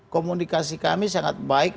komunikasi kami sangat baik